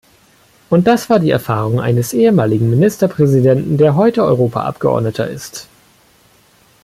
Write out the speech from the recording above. Und das war die Erfahrung eines ehemaligen Ministerpräsidenten, der heute Europaabgeordneter ist.